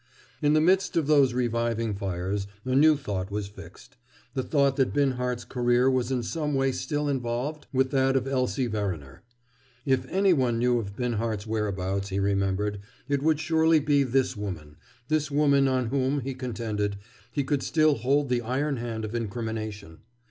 In the midst of those reviving fires a new thought was fixed; the thought that Binhart's career was in some way still involved with that of Elsie Verriner. If any one knew of Binhart's whereabouts, he remembered, it would surely be this woman, this woman on whom, he contended, he could still hold the iron hand of incrimination.